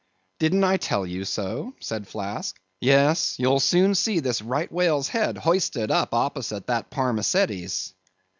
"Didn't I tell you so?" said Flask; "yes, you'll soon see this right whale's head hoisted up opposite that parmacetti's."